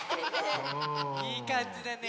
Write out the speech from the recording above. いいかんじだね。